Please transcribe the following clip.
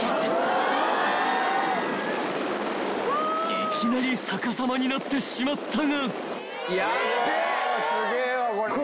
［いきなり逆さまになってしまったが］